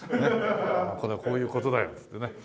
「これはこういう事だよ」っつってね。